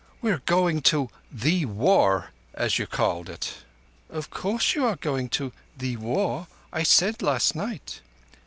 "We are going to 'thee War,' as you called it." "Of course you are going to thee War. I said last night."